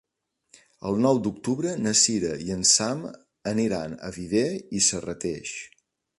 El nou d'octubre na Sira i en Sam aniran a Viver i Serrateix.